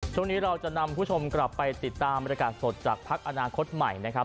ช่วงนี้เราจะนำผู้ชมกลับไปติดตามบรรยากาศสดจากพักอนาคตใหม่นะครับ